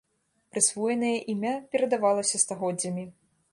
Прысвоенае імя перадавалася стагоддзямі.